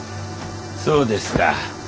そうですか。